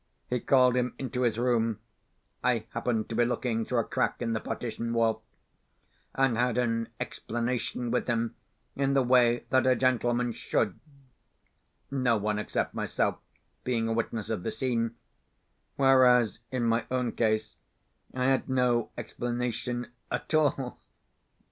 He called him into his room (I happened to be looking through a crack in the partition wall), and had an explanation with him in the way that a gentleman should no one except myself being a witness of the scene; whereas, in my own case, I had no explanation at all.